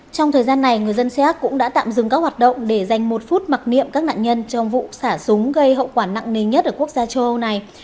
trong thời gian này người dân xét cũng đã tạm dừng các hoạt động để dành một phút mặc niệm các nạn nhân trong vụ xả súng gây hậu quả nặng nề nhất ở quốc gia châu âu này